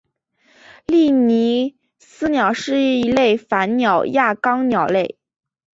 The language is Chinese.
利尼斯鸟是一类反鸟亚纲鸟类。